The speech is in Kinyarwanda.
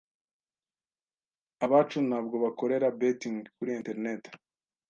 abacu ntabwo bakorera 'betting' kuri Internet".